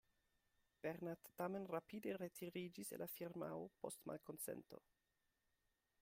Bernhard tamen rapide retiriĝis el la firmao post malkonsento.